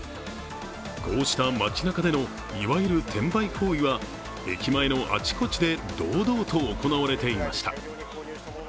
こうした街なかでのいわゆる転売行為は駅前のあちこちで堂々と行われていました。